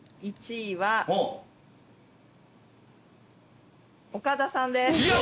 １位は岡田さんです。